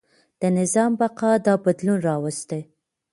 د نظام بقا دا بدلون راوستی.